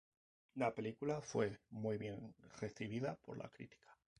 La película fue muy bien recibida por la crítica.